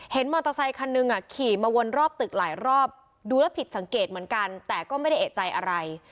มอเตอร์ไซคันหนึ่งขี่มาวนรอบตึกหลายรอบดูแล้วผิดสังเกตเหมือนกันแต่ก็ไม่ได้เอกใจอะไร